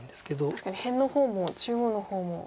確かに辺の方も中央の方も。